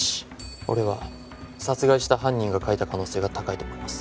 俺は殺害した犯人が描いた可能性が高いと思います。